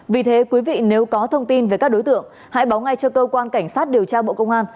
vì thế quý vị nếu có thông tin về các đối tượng hãy báo ngay cho cơ quan cảnh sát điều tra bộ công an